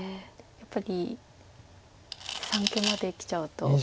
やっぱり三間まできちゃうと。